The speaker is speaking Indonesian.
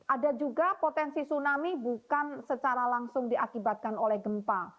ada juga potensi tsunami bukan secara langsung diakibatkan oleh gempa